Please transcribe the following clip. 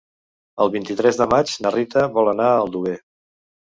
El vint-i-tres de maig na Rita vol anar a Aldover.